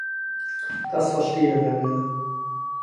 Das verstehe, wer will.